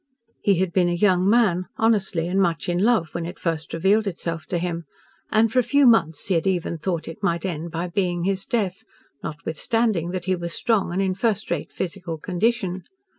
He had been a young man, honestly and much in love when it first revealed itself to him, and for a few months he had even thought it might end by being his death, notwithstanding that he was strong and in first rate physical condition.